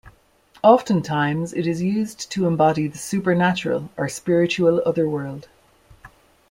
Oftentimes it is used to embody the supernatural or spiritual other world.